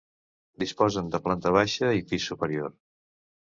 Disposen de planta baixa i pis superior.